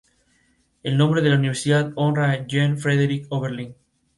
El nombre de la universidad honra a Jean Frederick Oberlin.